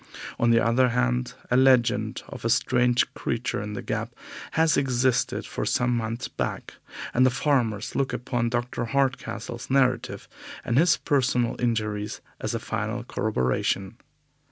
On the other hand, a legend of a strange creature in the Gap has existed for some months back, and the farmers look upon Dr. Hardcastle's narrative and his personal injuries as a final corroboration.